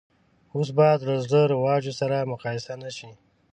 اوس باید له زړو رواجو سره مقایسه نه شي.